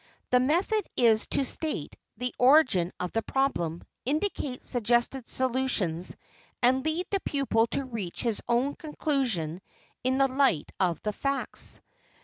The method is to state the origin of the problem, indicate suggested solutions, and lead the pupil to reach his own conclusion in the light of the facts.